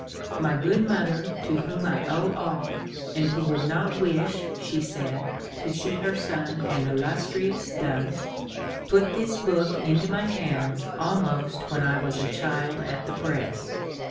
My good mother, to whom I owe all, and who would not wish, she said, to see her son an illustrious dunce, put this book into my hands almost when I was a child at the breast.